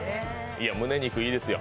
むね肉いいですよ